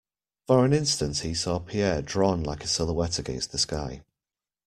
For an instant he saw Pierre drawn like a silhouette against the sky.